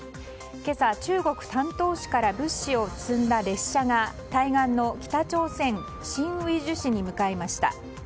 今朝、中国丹東市から物資を積んだ列車が対岸の北朝鮮・新義州市に向かいました。